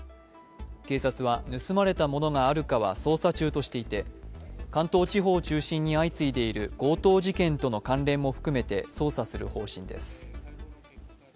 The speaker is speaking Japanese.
警察は盗まれたものがあるかは捜査中としていて関東地方を中心に相次いでいる強盗事件との関連も含めて捜査する方針です。